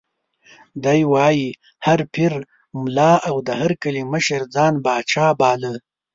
دی وایي: هر پیر، ملا او د هر کلي مشر ځان پاچا باله.